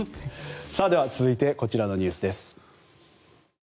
続いて、こちらのニュースです。